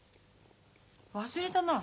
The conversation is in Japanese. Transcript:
忘れたな。